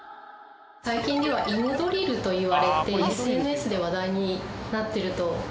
最近では犬ドリルといわれてＳＮＳで話題になってると思います。